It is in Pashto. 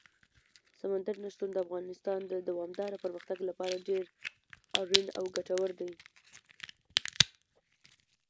سمندر نه شتون د افغانستان د دوامداره پرمختګ لپاره ډېر اړین او ګټور دی.